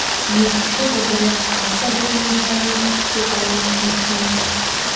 მის შუბლზე არსებული ნიშანი „სიყვარულს“ ნიშნავს.